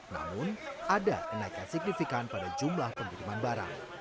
namun ada kenaikan signifikan pada jumlah pengiriman barang